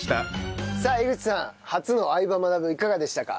さあ江口さん初の『相葉マナブ』いかがでしたか？